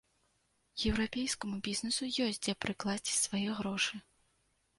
Еўрапейскаму бізнесу ёсць дзе прыкласці свае грошы.